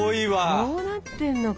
こうなってんのか。